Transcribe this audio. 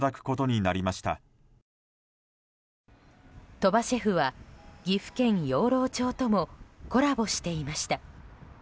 鳥羽シェフは岐阜県養老町ともコラボしていました。